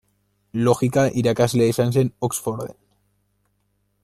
Logika irakaslea izan zen Oxforden.